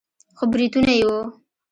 خو برېتونه يې وو.